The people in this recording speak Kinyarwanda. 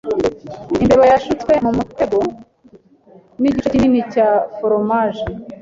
Imbeba yashutswe mumutego nigice kinini cya foromaje.